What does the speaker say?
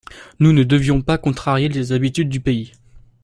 Nous ne devions pas contrarier les habitudes du pays.